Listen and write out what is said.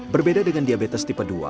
berbeda dengan diabetes tipe dua